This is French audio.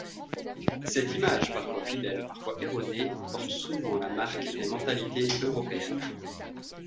Cette image, parfois fidèle, parfois erronée, porte souvent la marque des mentalités européennes.